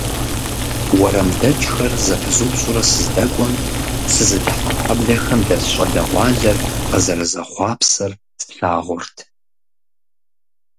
УэрамдэкӀхэр зэпызупщӀурэ сыздэкӀуэм, сызыдыхьэ хьэблэхэм дэс щӀалэгъуалэр къызэрызэхъуапсэр слъагъурт.